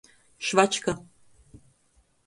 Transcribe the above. Švačka.